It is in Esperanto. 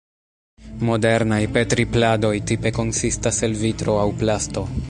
Modernaj Petri-pladoj tipe konsistas el vitro aŭ plasto.